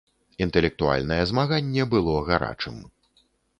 Інтэлектуальнае змаганне было гарачым.